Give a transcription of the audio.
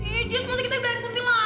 ije semakin kita dibayar kuntil anak sih